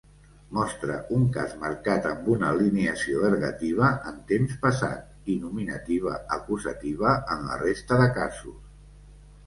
Mostra un cas marcat amb una alineació ergativa en temps passat, i nominativa-acusativa en la resta de casos.